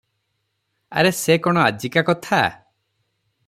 ଆରେ ସେ କ’ଣ ଆଜିକା କଥା?